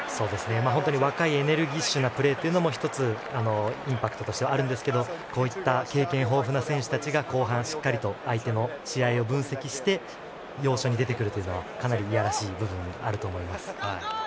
本当に若いエネルギッシュなプレーが１つ、インパクトとしてあるんですけれどもこうした経験豊富な選手たちが後半しっかり相手を分析して要所に出てくるのはかなりいやらしい部分があると思います。